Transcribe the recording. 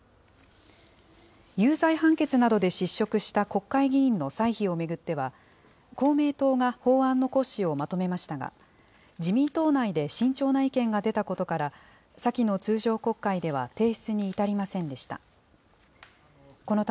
有罪判決などで失職した国会議員の歳費を巡っては、公明党が法案の骨子をまとめましたが、自民党内で慎重な意見が出たことから、先の通常国会では提出に至りませんでした。